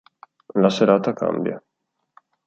La serata cambia.